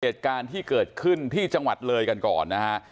เหตุการณ์ที่เกิดขึ้นที่จังหวัดเลยกันก่อนนะฮะ